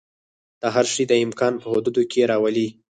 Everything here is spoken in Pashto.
دا هر شی د امکان په حدودو کې راولي.